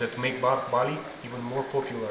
yang membuat bali lebih populer